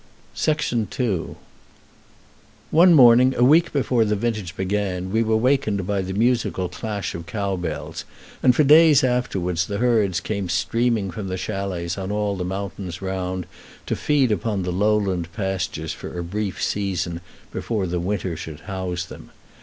II One morning, a week before the vintage began, we were wakened by the musical clash of cow bells, and for days afterwards the herds came streaming from the chalets on all the mountains round to feed upon the lowland pastures for a brief season before the winter should house them.